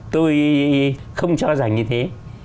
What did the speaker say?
tôi không cho rằng như thế